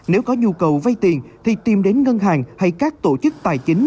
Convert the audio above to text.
nếu có nhu cầu vay tiền thì tìm đến ngân hàng hay các tổ chức tài chính